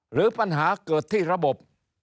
หรือปัญหาเกิดที่ระบบ